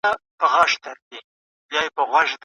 ماشومان سره پېژندل کېږي.